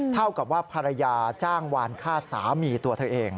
เท่ากับว่าภรรยาจ้างวานฆ่าสามีตัวเธอเอง